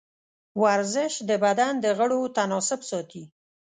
ورزش د بدن د غړو تناسب ساتي.